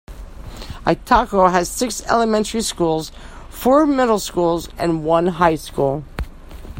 Itako has six elementary schools, four middle schools, and one high school.